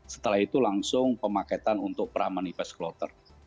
setelah itu langsung pemaketan untuk peramanipas kloter